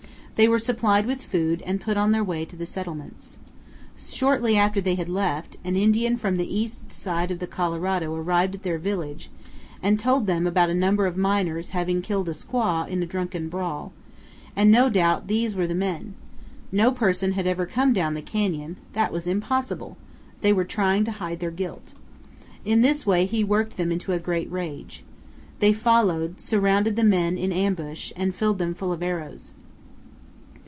They were supplied with food and put on their way to the settlements. Shortly after they had left, an Indian from the east side of the Colorado arrived at their village and told them about a number of miners having killed a squaw in drunken brawl, and no doubt these were the men; no person had ever come down the canyon; that was impossible; they were trying to hide their guilt. In this way he worked them into a great rage. They followed, surrounded the men in ambush, and filled them full of arrows.